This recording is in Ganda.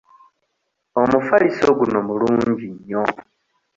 Omufaliso guno mulungi nnyo.